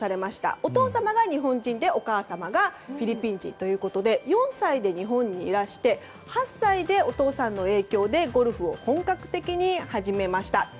お父様が日本人でお母さまがフィリピン人ということで４歳で日本にいらして８歳でお父さんの影響でゴルフを本格的に始めました。